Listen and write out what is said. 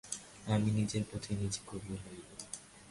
আমি নিজের পথ নিজে করিয়া লইব।